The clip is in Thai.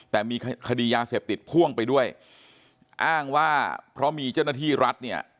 แต่มีคดียาเสพติดพ่วงไปด้วยอ้างว่าเพราะมีเจ้าหน้าที่รัฐเนี่ย